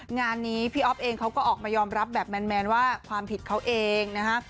งานนี้พี่อ๊อฟเองเขาก็ออกมายอมรับแบบแมนว่าความผิดเขาเองนะฮะ